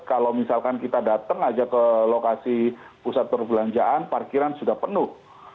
kalau misalkan kita datang aja ke lokasi pusat perbelanjaan parkiran sudah penuh